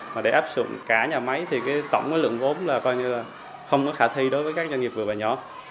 mà để áp dụng cả nhà máy thì cái tổng lượng vốn là coi như là không có khả thi đối với các doanh nghiệp vừa và nhỏ